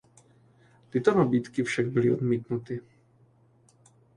Tyto nabídky však byly odmítnuty.